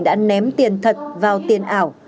đã ném tiền thật vào tiền ảo